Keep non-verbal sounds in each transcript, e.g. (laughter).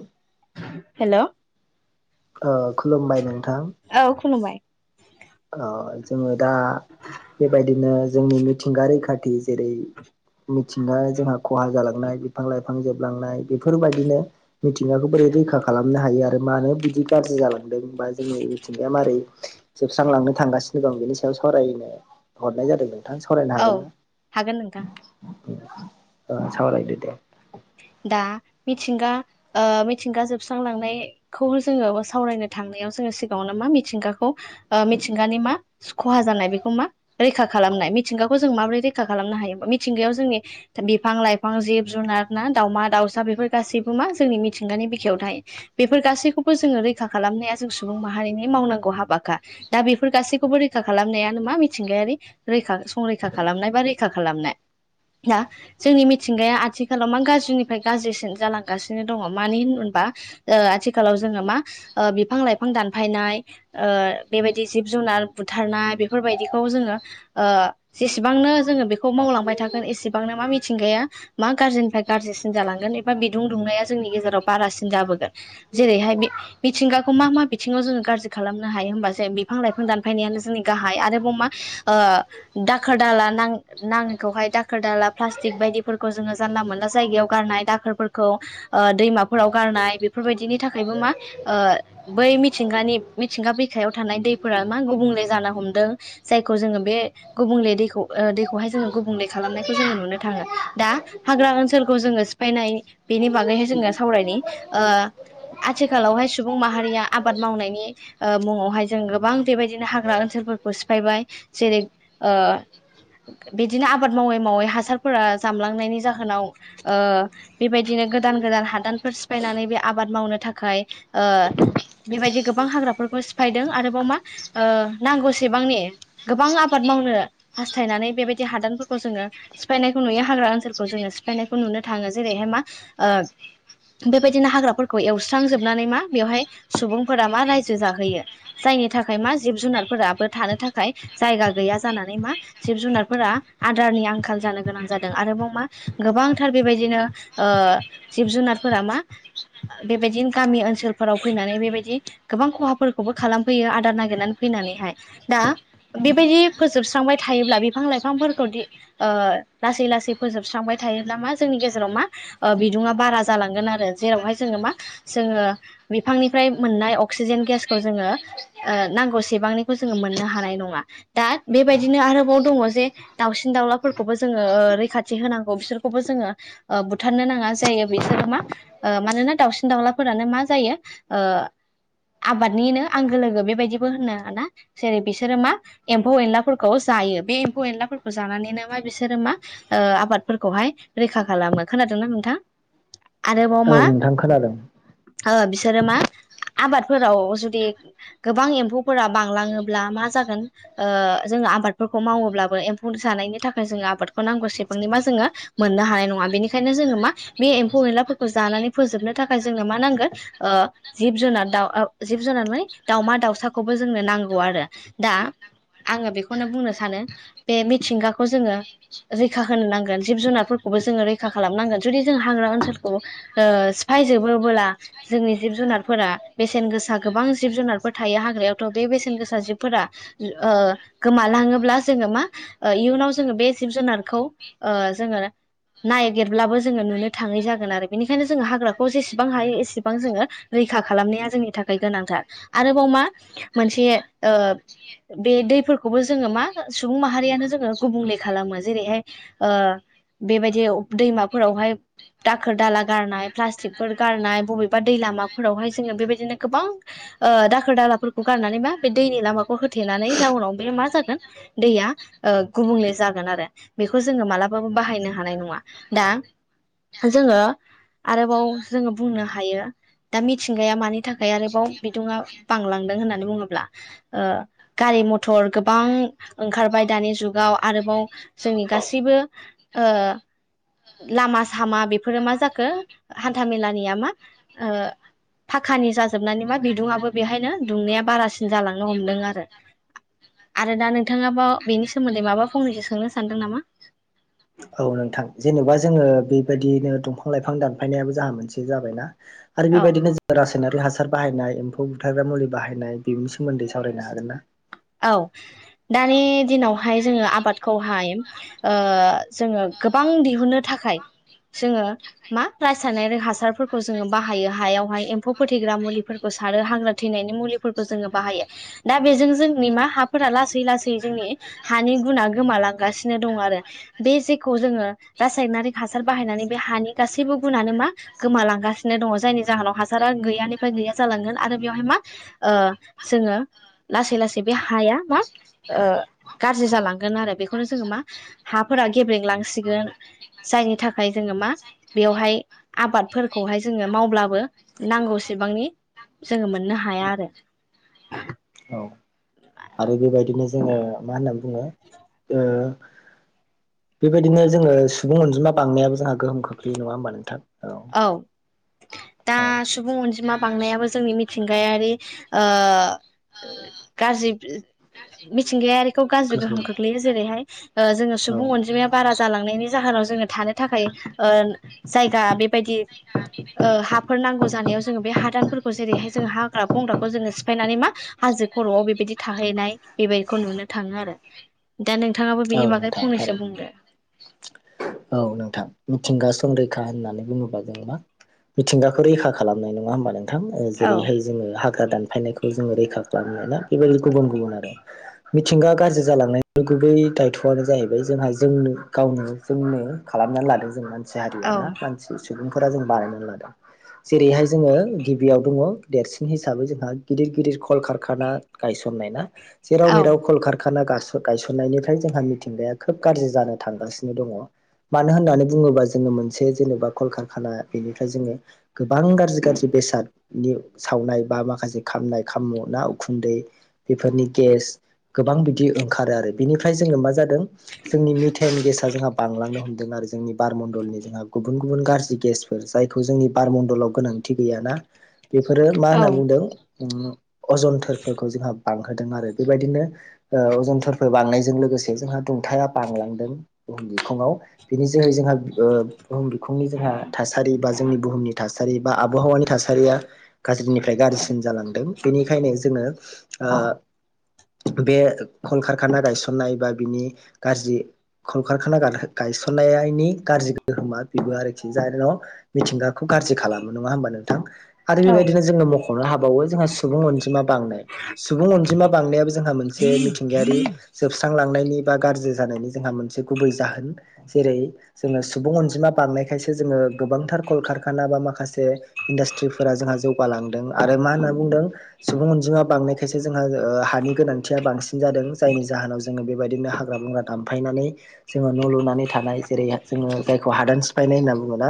ओ हेल' औ ओ खुलुमबाय खुलुमबाय अ जोङो दा बेबायदिनो जोंनि मिथिंगा रैखाथि जेरै मिथिंगाया जोंहा खहा जालांनाय बिफां-लाइ फां जोबलांनाय बेफोरबायदिनो मिथिंगाखौ बोरै रैखा खालाम नो हायो आरो मानो बिदि गाज्रि जालांदों बा जोंनि मिथिंगाया मारै जोबस्रांलांनो थांगासिनो दं बेनि सायाव सावरायनो हरनाय जादों नों थां सावरायनो औ हागोन ना हागोन नोंथां ओ सावरायदो दे दा मिथिंगा ओमिथिंगा जोबस्रांलांनायखौ जोङो सावरायनो थां नायाव जोङो सिगाङावनो मा मिथिंगाखौ ओमिथिंगानि मा खहा जानाय बेखौ मा रैखा खालामनाय मिथिंगाखौ जों माबोरै रैखा खालामनो हायो मिथिंगायाव जोंनि दा बिफां-लाइफां, जिब-जुनार ना दावमा-दाउसा बेफोर गासैबो मा जोंनि मिथिंगानि बिखायाव थाय बेफोर गासैखौबो जोङो रैखा खालाम‌ नाया जों सुबुं माहारिनि मावनांगौ हाबाखा दा बेफोर गासैखौबो रैखा खालामनायानो मा मिथिंगायारि रैखा संरैखा खालामनाय बा रैखा खालामनाय दा जोंनि मिथिंगाया आथि खालाव मा गाज्रिनिफ्राय गाज्रिसिन जालांगासिनो दङ' मानो हिनोबा ओ आथिखालाव जोङो मा ओ बिफां-लाइफां दानफायनाय ओ बेबायदि जिब-जुनार बुथारनाय बेफोरबायदिखौ जोङो (unintelligible) ओ जेसेबांनो जोङो बेखौ मावलांबाय थागोन एसेबांनो मा मिथिंगाया मा गाज्रिनिफ्राय गाज्रिसिन जालांगोन एबा बिदुं दुंनाया जोंनि गेजेराव बारासिन जाबोगोन जेरैहाय बे मिथिंगाखौ मा मा बिथिङाव जोङो गाज्रि खालामनो हायो होनबासो बिफां-लाइफां दानफायनायानो जोंनि गाहाय आरोबाव मा ओ दाखोर-दाला ना-नाङैखौहाय दाखोर दाला फ्लास्टिक बायदिफोरखौ जोङो जानला मोनला जायगायाव गारनाय दाखोरफोरखौ ओ दैमाफोराव गारनाय बेफोरबायदिनि थाखायबो मा ओ बै मिथिंगानि मिथिंगा बिखायाव थानाय दैफोरा मा गुबुंले जानो हमदों जाय दैखौ जोङो बे गुबुंले दैखौ ओ दैखौहाय जोङो गुबुंले खालामनायखौ जोङो नुनो थाङो दा हाग्रा ओनसोलखौ जोङो सिफायनाय बेनि बागैहाय जोङो सावरायनि ओ आथिखालावहाय सुबुं माहारिया आबाद मावनायनि ओ मुङावहाय जों गोबां बेबायदिनो हाग्रा ओनसो (unintelligible) फोरखौ सिफायबाय जेरै ओ बिदिनो आबाद मावै मावै हासारफोरा जामलांनायनि जाह होनाव ओ बेबायदिनो गोदान गोदान हादानफोर सिफायनानै बे आबाद मावनो थाखाय ओ बेबायदि गोबां हाग्राफोरखौ सिफायदों आरोबाव मा ओ नांगौसेबांनि गोबां आबाद म मावनो हास्थायनानै बेबायदि हादानफोरखौ जोङो सिफायनायखौ नुयो हाग्रा ओनसोल खौ जोङो सिफायनायखौ नुनो थाङो जेरैहाय मा ओ बेबायदिनो हाग्राफोरखौ एवस्रांजोबनानै मा बेवहाय सुबुंफोरा मा रायजो जाहोयो जा जायनि थाखाय मा जिब- जुनारफोराबो थानो थाखाय जायगा गैया जानानै मा जिब -जुनारफोरा आ आदारनि आंखाल जानो गोनां जादों आरोबाव मा गोबांथार बेबायदिनो ओ जिब- जुनारफोरा मा आ बेबायदिनो गामि ओनसोलफोराव फैनानै बेबायदि गोबां खहाफोरखौबो खालामफैयो आदार नागिरनानै फै नानैहाय दा बेबायदि फोजोबस्रांबाय थायोब्ला बिफां- लाइफांफोरखौ दि ओ लासै लासै फोजोब स्रांबाय थायोब्ला मा जोंनि गेजेराव मा ओ बिदुङा बारा जालांगोन आरो जेरावहाय जोङो मा जोङो ओ बिफांनिफ्राय मोननाय अक्सिजेन गेसखौ जोङो ओ नांगौ सेबांनिखौ जोङो मोननो हा नाय नङा दा बेबायदिनो आरोबाव दङ' जे दाउसिन दाउलाफोरखौबो जोङो ओ रैखाथ थि होनांगौ बिसोरखौबो जोङो ओ बुथारनो नाङा जायो बिसोर मा ओ मानोना दाउसिन दाउलाफोर फोरानो मा जायो ओ आबादनिनो आंगो लोगो बेबायदिबो होनो ना जेरै बिसोरो मा एम्फौ -एनलाफोरखौ ज जायो बे एम्फौ -एनलाफोरखौ जानानैनो मा बिसोरो मा ओ आबादफोरखौहाय रैखा खालामो खोनादोंना नोंथां आरोबाव मा औ नोंथां खोनादों ओ बिसोरो मा आबादफोराव जुदि गोबां एम्फौफोरा बांलाङोब्ला मा जागोन ओ जों ओ आबादफोरखौ मावोब्लाबो एम्फौ जानायनि थाखाय जोङो आबादखौ नांगौ सिब बांनि मा जोङो मोननो हानाय नङा बेनिखायनो जोङो मा बे एम्फौ- एनलाफोरखौ जानानै फोजोबनो थाखाय जोंङो मा नांगोन ओ जिब- जुनार दाउ ओ जिब- जुनार माने दावसा-दाउसाखौबो जोंनो नांगौ आरो दा आङो बेखौनो बुंनो सानो बे मिथिंगाखौ जोङो जि (unintelligible) होनो नांगोन जिब- जुनारफोरखौबो जोङो रैखा खालामनांगोन जुदि जों हाग्रा ओन्सोलखौ ओ सिफाय जोबो ओबोला जोंनि जिब -जुनारफोरा बेसेन गोसा गोबां जिब- जुनारफोर थायो हाग्रायावथ' बे बेसेन गोस सा जिबफोरा ओ गोमालाङोब्ला जोङो मा ओ इयुनाव जोङो बे जिब- जुनार खौ ओ जोङो नायगिरब्लाबो जोङो नुनो थाङै जागोन आरो बेनिखायनो जोङो हाग्राखौ जेसेबां हायो एसेबां जोङो रै खा खालामनाया जोंनि थाखाय गोनांथार आरोबाव मा मोनसे ओ बे दैफोरखौबो जोङो मा सुबुं माहारियानो जोङो गुबुंले खालामो जेरैहाय ओ बेबायदि दैमाफोरावहाय दाखोर दाला गारनाय प्लास्टिकफोर गारनाय बबेबा दै लामाफोरावहाय जोङो बेबायदिनो गोबां ओ दाखोर दालाफोरखौ गारनानै मा बे दैनि लामाखौ होथेनानै जाउनाव बे मा जागोन दैया ओ गुबुंले जागोन आरो बेखौ जोङो मालाबाबो बाहायनो हानाय नङा दा जोङो आरोबाव जोङो बुंनो हायो दा मिथिंगाया मानि थाखाय आरोबाव बिदुङा बांलांदों होननानै बुङोब्ला ओ गारि गारि मथर गोबां ओंखारबाय दानि जुगाव आरोबाव जोंनि गासैबो ओ लामा सामा बेफोरो मा जाखो हान्थामेलानिया मा ओ फाखानि जाजोबनानै मा बिदुङआबो बेहायनो दुंनाया बारासिन जालांनो हमदों आरो आरो दा नोंथाङाबाव बेनि सोमोन्दै माबा फंनैसो सोंनो सानदों नामा? औ नोंथां जेनेबा जोङो बेबायदिनो दंफां लाइफां दानफायनायाबो जाहा मोनसे जाबायना आरो औ बेबायदिनो रास नारि हासार बाहायनाय एम्फौ बुथारग्रा मुलि बाहायनाय बेनि सोमोन्दै सावरायनो हागोन ना? औ दानि दिनावहाय जोङो आबादखौहाय ओ जोङो गोब गोबां दिहुननो थाखाय जोङो मा रासारनाय हासारफोरखौ जोङो बाहायो हायावहाय एम्फौ फोथैग्रा मुलिफोरखौ । सारो हागरा थैनायनि मुलिफोरखौ जोङो बाहायो दा बेजों जों जोंनि मा हाफोरा लासै लासै जोंनि हानि गुना गोमालांगासिनो दं आरो बे जेखौ जोङो रासायनारि हासार बाहायनानै बे हानि गासैबो गुनानो मा गोमालांगासिनो दङ जायनि जा होनाव हासारा गैयानिफ्राय गैया जालांगोन आरो बेयावहाय मा ओ जोङो लासै लासै बे हाया मा ओ गाज्रि जालांगोन आरो बेखौनो जोङो मा हाफोरा गेब्रेंलांसिगोन जायनि थाखाय जोङो मा बेवहाय आबादफोरखौहाय जोङो मावब्लाबो नांगौसेबांनि । जोङो मोननो हाया आरो । औ । आरो बेबायदिनो जोङो मा होननानै बुङो ओ बेबायदिनो जोङो सुबुं अनजिमा बांनायाबो जोंहा गोहोम खोख्लैयो नङा होमबा नोंथां औ । औ । दा सुबुं अनजिमा बांनायाबो जोंनि मिथिंगायारि ओ गाज्रि मिथिंगायारि खौ गाज्रि गोहोम खोख्लैयो जेरैहाय ओ जोङो सुबुं औ अनजिमाया बारा । जालांनायनि जाहोनाव जोङो थानो थाखाय ओ जायगा बेबायदि ओ हाफोर नांगौ जानायाव जोङो बे हादानफोरखौ जेरैहाय जोङो हाग्रा बंग्राखौ जोङो सिफायनानै मा हा हाजो खर'आव बेबायदि थाहैनाय बेबायदिखौ नुनो थाङो आरो दा नोंथाङाबो औ बिनि बागै नोंथां फंनैसो थारैनो बुंदो औ नोंथां मिथिंगा संरैखा होननानै बुङोबा जों मा मिथिंगाखौ रैखा खालामनाय नङा होनबा नोंथां औ जेरैहाय जोङो हाग्रा दानफायनायखौ जोङो रैखा खालामनाय ना बेबायदि गुबुन गुबुन आरो मिथिंगा गाज्रि जालांनाय (unintelligible) बेै दायथ'आनो जाहैबाय जोंहा जोंनो गावनो जोंनो खालामनानै लादों जों मानसि हारिया औ ना मानसि सुबुंफोरा जों बानायनानै लादों । जेरैहाय जोङो गिबियाव दङ देरसिन हिसाबै जोंहा गिदिर गिदिर कलकारखाना गायसननाय ना जेराव औ मेराव कल खारखाना गा गायसननायनिफ्राय जोंहा मिथिंगाया खोब गाज्रि जानो थांगासिनो दङ मानो होननानै बुङोबा जोङो मोनसे जेनेबा कलकखाना बेनिफ्राय जोङो गोबां गाज्रि गाज्रि बेसादनि सावनाय बा माखासे खामनाय खाममु ना उखुन्दै बेफोरनि गेस गोबां बिदि ओंखारो आरो बेनिफ्राय जोङो मा जादों जोंनि मिथेन गेसा जोंहा बांलांनो हमदों आरो जोंनि बारमण्डलनि जोंहा गुबुन गुबुन गाज्रि गेसफोर जायखौ जोंनि बारमडलाव गोनांथि गैयाना । बेफोरो मा औ होनना बुंदों उम अजनथोरफोरखौ जोंहा बांहोदों आरो बेबायदिनो ओ अजन थोरफो बांनायजों लोगोसे जोंहा दुंथाया बांलांदों । बुहुम बिखुङाव बिनि जोहै जोंहा बुहुम बिखुंनि जोंहा थासारि बा जोंनि बुहुमनि थासारि बा आब- आबहावानि थासारिया गाज्रिनिफ्राय गाज्रिसिन जालांदों बेनिखायनो जोङो । बे खल कारखाना गायसननाय बा बिनि गाज्रि खल खारखाना गायसननायनि गाज्रि गोहोमा बेबो आरोखि जायनिजाहोनाव मिथिंगाखौ गाज्रि खालामो नङा होमबा नोंथां? आरो औ बेबायदिनो जोङो मख'नो हाबावो जोंहा सुबुं अनजिमा बांनाय सुबुं अनजिमा बांनायाबो । जोंहा मोनसे मिथिंगायारि जोबस्रांलां- (inaudible) बार गाज्रि जानायनि जोंहा मोनसे गुबै जाहोन जेरै जोङो सुबुं अनजिमा बांनायखायसो जोङो गोबांथार कलकारखाना बा माखासे इन्डास्ट्रिफोरा जोंहा जौगालांदों आरो मा होनना बुंदों सुबुं अनजिङा बांनायखायसो जोंहा हानि गोनांथिया बांसिन जादों जायनि जाहोनाव जोङो बेबायदिनो हाग्रा बंग्रा दामफायनानै जोङो न' लुनानै थानाय जेरै जोङो जायखौ हादान सिफायनाय होनना बुङोना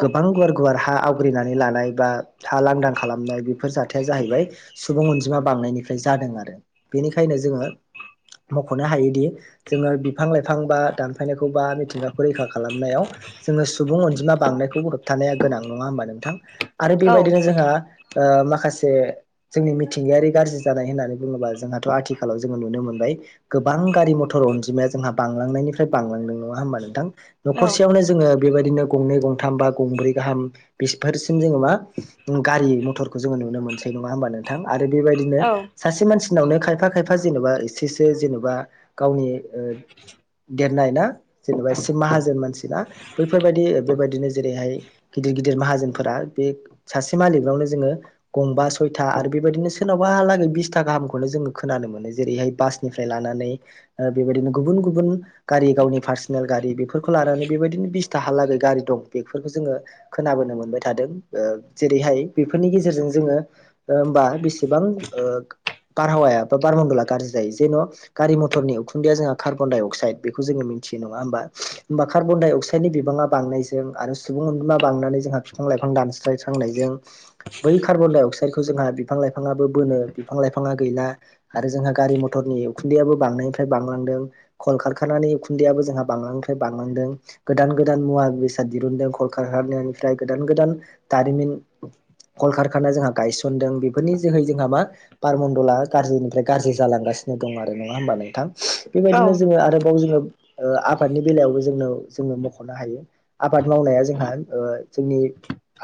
गोबां गुवार गुवार हा आवग्रिनानै लानाय बा हा लांदां खालामनाय बेफोर जाथाया जाहैबाय सुबुं अनजिमा बां- नायनिफ्राय जादों आरो बेनिखायनो जोङो मख'नो हायोदि जोङो बिफां लाइफां बा दानफायनायखौ बा मिथिगाखौ रैखा खालामनायाव जोङो सुबुं अनजिमा बांनायखौबो होबथानाया गोनां नङा होमबा नोंथां आरो औ बेबायदिनो जोंहा माखासे जोंनि मिथिंगायारि गाज्रि जानाय होननानै बुङोबा जोंहाथ' आथिखालाव जोङो नुनो मोनबाय गोबां गारि मथर अनजिमाया जोंहा बांलांनायनिफ्राय बांलांदों नङा होनबा नोंथां न'खरसेयावनो जोङो बेबायदिनो गंनै गंथाम बा गंब्रै गाहाम बेफोरसिम जोङो मा गारि मथरखौ जोङो नुनो मोनसै नङा होमबा नोंथां आरो बेबायदिनो सासे मानसि नावनो खायफा खायफा जेनेबा एसेसो जेनेबा गावनि देरनाय ना जेनेबा माहाजोन मानसि ना बैफोरबायदि बेबायदिनो जेरैहाय गिदिर गिदिर माहाजोनफोरा बे सासे मालिकनावनो जोङो गंबा सयथा आरो बेबायदिनो सोरनावबालागै बिसथा गाहामखौनो जोङो खोनानो जेरैहाय बासनिफ्राय लानानै बेबायदिनो गुबुन गुबुन गारि गावनि पार्सनेल गारि बेफोरखौ लानानै बेबायदिनो बिसथाहालाै गारि दं बेफोरखौ जोङो खोनो मोनबाय थादों जेरैहाय बेफोरनि गेजेरजों जोङो होमबा बेसेबां बारहावाया बा बारमन्दडला गाज्रि जायो जेन' गारि मथरनि उखुन्दैया जोंहा कार्बन- डाइअक्साइद बेखौ जोङो मोनथियो नङा होमबा होमबा कार्बन-डाइ-अक्साइडनि बिबाङा बांनायजों आरो सुबुं अनजिमा बांनानै जोंहा बिफां लाइफां दानस्राय- थांनायजों बै कार्बन डाइ अक्साइदखौ जोंहा बिफां लाइफाङाबो बोनो बिफां लाइफाङा गैला आरो जोंहा गारि मथर ओरै उखुन्दैआबो बांनायनिफ्राय बांलांदों कल कारखानानि उखुन्दैआबो जोंहा बांलांदों बांलांदों गोदान गोदान मुवा बेसाद दिरुनदों कल कारखानानिफ्राय गोदान गोदान दारिमिन (inaudible) कलकारखाना जोंहा गायसनदों बेफोरनि जोहै जोंहा मा बारमन्दला गाज्रिनिफ्राय गाज्रि जालांगासिनो दं आरो नङा होमबा नोंथां औ बेबायदिनो जोङो आरोबाव जोङो आबादनि बेलायावबो जोंनाव जोंनो मख'नो हायो आबाद मावनाया जोंहा जोंनि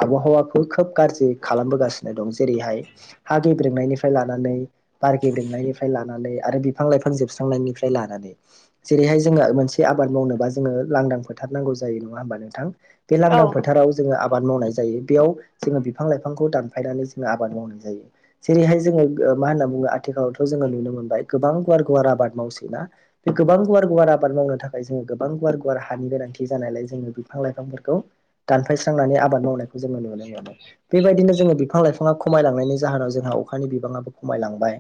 आबहावाखौ खोब गाज्रि खालामबोगासिनो दं जेरैहाय हा गेब्रेंनायनिफ्राय लानानै बार गेब्रेंनायनिफ्राय लानानै आरो बिफां लाइफां जोबस्रांनायनिफ्राय लानानै जेरैहाय जोङो मोनसे आबाद मावनोबा जोनो लां फोथार नांगौ जायो नङा होनबा नोंथां बे लानदां फोथाराव जोङो आबाद मावनाय जायो बेयाव जोङो बिफां लाइफांखौ दानफायनानै जोङो आबाद मावनाय जायो जेरैहाय जोङो मा होनना बुङो आथिखालावथ' जोङो नुनो मोनबाय गोबां गुवार गुवार आबाद मावसै ना बे गोबां गुवार गुवार आबाद मावनो थाखाय जों गोबां बां गुवार गुवार हानि गोनांथि जानायलाय जोङो बिफां लाइफांफोरखौ दानफायस्रांनानै आबाद आबाद मावनायखौ जोङो नुनो मोनो बेबायदिनो बिफां लाइफां बिफाङा खमायलांनायनि जाहोनाव जोंहा अखानि बिबाङाबो खमायलांबाय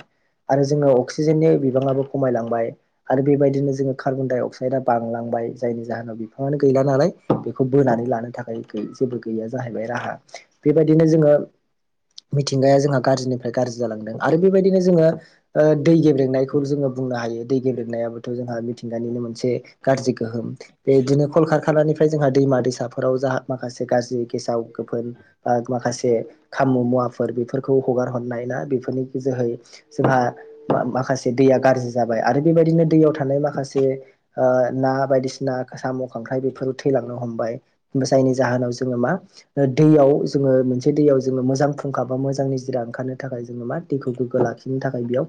आरो जोङो अक्सिजेननि बिबाङाबो खमायलांबाय आरो बेबायदिनो जोङो कार्बन डाइ अक्साइदआ बांलांबाय जायनि जाहोनाव बिफाङानो गैला नालाय बेखौ बोनानै लानो थाखाय जेबो गैया जाहैबाय राहा बेबायदिनो जोङो मिथिंगाया जोंहा गाज्रिनिफ्राय गाज्रि जालांदों आरो बेबायदिनो जोङो ओ दै गेब्रेंनायखौ जोङो बुंनो हायो दै गेब्रेंनायाबोथ' जोंहा मिथिंगानिनो मोनसे गाज्रि गोहोम बे बिदिनो कल कखनिफ्राय जोंहा दैमा दैसाफोराव जाह माखासे गाज्रि गेसाव गोफोन माखासे खाममु मुवाफोर बेफोरखौ हगार हरनाय ना बेफोरनि जोहै जोंहा माखासे दैया गाज्रि जाबाय आरो बेबायदिनो दैयाव थानाय ओ माखासे ना बायदिसिना साम' खांख्राइ बेफोर थैलांनो हमबाय जायनि जाउनाव जोङो मा दैयाव जोङो मोनसे दैयाव जोङो मोजां फुंखा बा मोजां निजिरा ओंखारनो थाखाय जोङो मा दैखौ गोग्गो लाखिनो थाखाय बेयाव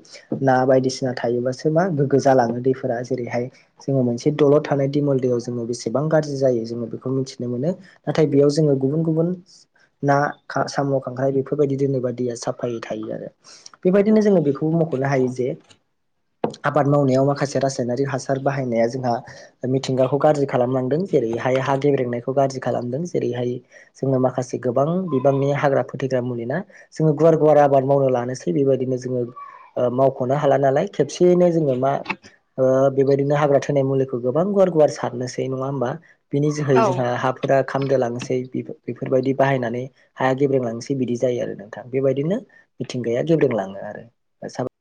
ना बायदिसिना थायोबसो मा गोग्गो जालाङो दैफोरा जेरैहाय जोङो मोनसे दलर थानाय दिमोल दैयाव जोङो बेसेबां गाज्रि जायो जोङो बेखौ मिथिनो मोनो नाथाय बेयाव जोङो गुबुन गुबुन ना खा साम' खांख्राइ बेफोरबायदि दोनोबा दैया साफायै थायो आरो बेबादिनो जोङो बेखौबो मख'नो हायो जे आबाद मावनायाव माखासे रासायनारिक हासार बाहायनाया जोंहा मिथिंगाखौ गाज्रि खालामनांदों जेरैहाय हा गेब्रेंनायखौ गाज्रि खालामदों जेरैहाय जोङो माखासे गोबां बिबांनि हाग्रा फोथैग्रा मुलि ना जोङो गुवार गुवार आबाद मावनो लानोसै बेबायदिनो जोङो ओ मावख'नो हाला नालाय खेबसेयैनो जोङो मा ओ बेबायदिनो हाग्रा थैनाय मुलिखौ गोबां गुवार गुवार सारनोसै नङा होमबा बिनि जोहै औ जोंहा हाफोरा खामदो लांस (unintelligible) बेफोर बेफोरबायदि बाहायनानै हाया गेब्रेलांनोसै बिदि जायो आरो नोंथां बेबायदिनो मिथिंगाया गेब्रेंलाङो आरो (unintelligible)